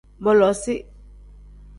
Bolosiv.